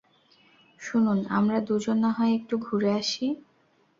শুনুন, আমরা দুজন না হয় একটু ঘুরে আসি।